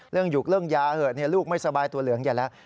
เรื่องยุคเรื่องยาเหอะลูกไม่สบายตัวเหลืองเดี๋ยวล่ะ